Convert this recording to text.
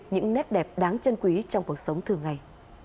những nét đẹp đáng chân quý trong cuộc sống thường ngày